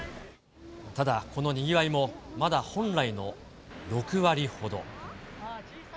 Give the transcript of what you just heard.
ただ、このにぎわいも、まだ本来の６割ほど。